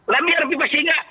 nah biar tipa sehingga